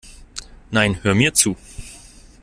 Nein, hör mir zu!